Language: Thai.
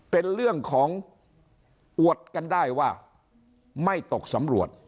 เป็นเรื่องของอวดกันได้ว่าไม่ตกสำรวจ